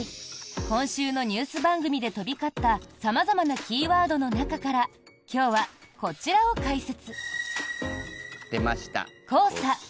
今週のニュース番組で飛び交った様々なキーワードの中から今日はこちらを解説。